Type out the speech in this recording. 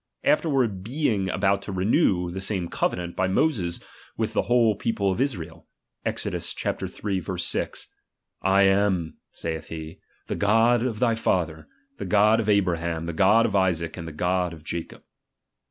After ward being about to renew the same covenant by Moses with the whole people of Israel, (Esod. iii. 6) :/ am, saith he, the God of thy Father, the God of Abraham, the God of Isaac, and the God of Ja cob.